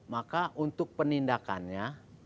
maka untuk penindakannya